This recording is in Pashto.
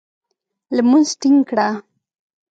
لمونځ ټینګ کړه !